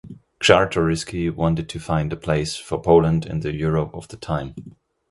Czartoryski wanted to find a place for Poland in the Europe of the time.